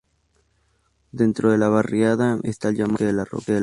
Dentro de la barriada, está el llamado "Parque de La Roca".